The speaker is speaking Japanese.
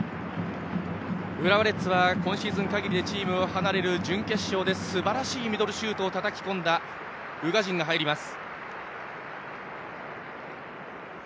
浦和レッズは今シーズン限りでチームを離れる準決勝ですばらしいミドルシュートをたたき込んだ宇賀神が入ります。